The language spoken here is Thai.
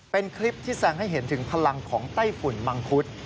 เป็นคลิปที่แสงให้เห็นถึงพลังของไต้ฝุ่นมังคุด